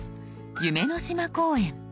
「夢の島公園」。